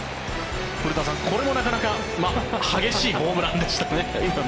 古田さん、これもなかなか激しいホームランでしたね。